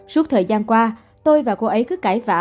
suốt thời gian qua tôi và cô ấy cứ cãi vã